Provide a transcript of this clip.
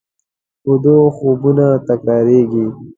ویده خوبونه تکرارېږي